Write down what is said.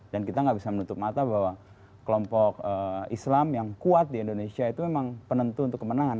dan kita gak bisa menutup mata bahwa kelompok islam yang kuat di indonesia itu memang penentu untuk kemenangan